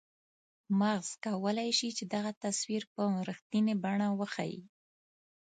مغز کولای شي چې دغه تصویر په رښتنیې بڼه وښیي.